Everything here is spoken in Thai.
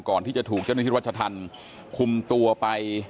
ก่อนที่จะถูกเจ้าหน้าที่รัชธรรมคุมตัวไป